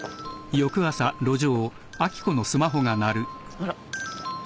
あら。